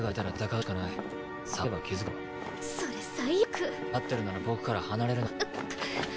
わかってるなら僕から離れるな。